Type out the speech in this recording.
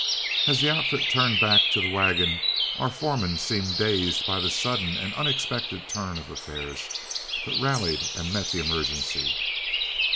As the outfit turned back to the wagon, our foreman seemed dazed by the sudden and unexpected turn of affairs, but rallied and met the emergency.